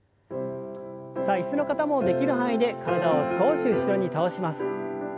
さあ椅子の方もできる範囲で体を少し後ろに倒します。